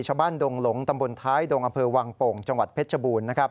ดงหลงตำบลท้ายดงอำเภอวังโป่งจังหวัดเพชรบูรณ์